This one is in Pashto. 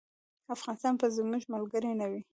افغانستان به زموږ ملګری نه وي.